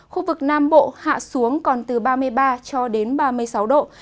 khu vực nam bộ hạ xuống còn từ ba mươi ba cho đến ba mươi sáu độ